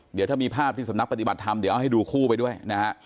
เดี๋ยวถ้ามีภาพที่สำนักปฏิบัติธรรมเดี๋ยวเอาให้ดูคู่ไปด้วยนะฮะ